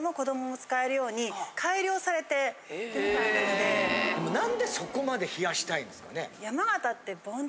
でも何でそこまで冷やしたいんですかね？